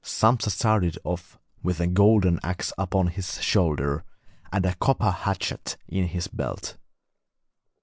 Sampsa started off with a golden axe upon his shoulder and a copper hatchet in his belt.